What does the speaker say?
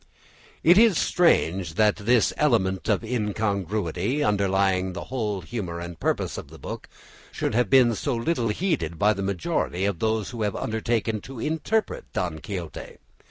It is strange that this element of incongruity, underlying the whole humour and purpose of the book, should have been so little heeded by the majority of those who have undertaken to interpret "Don Quixote."